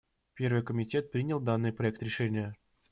Первый комитет принял данный проект решения.